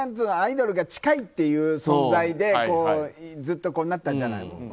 アイドルが近いっていう存在でずっとこうなったんじゃないの。